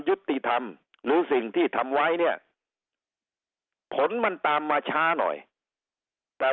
ยุติธรรมหรือสิ่งที่ทำไว้เนี่ยผลมันตามมาช้าหน่อยแต่